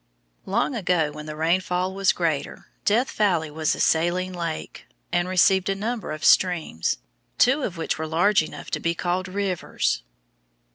Long ago, when the rainfall was greater, Death Valley was a saline lake and received a number of streams, two of which were large enough to be called rivers.